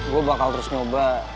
gue bakal terus nyoba